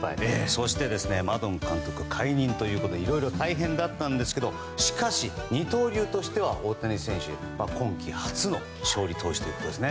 そしてマドン監督解任ということでいろいろ大変だったんですけどしかし二刀流としては大谷選手、今季初の勝利投手ということです。